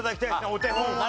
お手本を。